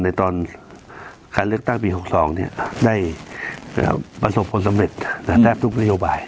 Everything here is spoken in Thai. ในตอนการเลือกตั้งปี๖๒ได้ประสบผลสำเร็จแทบทุกนโยบาย